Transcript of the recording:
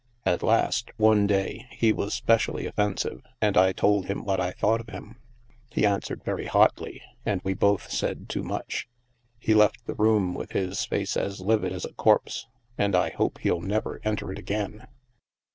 At last, one day, he was specially offensive, and I told him what I thought of him; he answered very hotly, and we both said too much. He left the room with his face as livid as a corpse, and I hope he'll never enter it again.